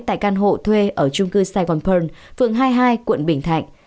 tại căn hộ thuê ở chung cư saigon pearl phượng hai mươi hai quận bình thạnh